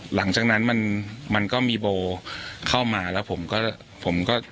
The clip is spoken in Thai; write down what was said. หลังจากนั้นมันมันก็มีโบเข้ามาแล้วผมก็ผมก็